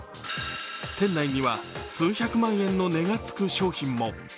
店内には数百万円の値がつく商品も。